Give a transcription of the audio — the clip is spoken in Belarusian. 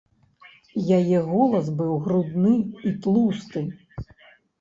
Яе голас быў грудны і тлусты.